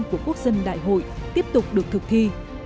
của quốc dân đại hội tiếp tục được thực thi